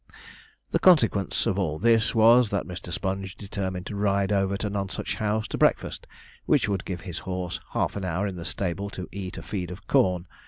The consequence of all this was, that Mr. Sponge determined to ride over to Nonsuch House to breakfast, which would give his horse half an hour in the stable to eat a feed of corn.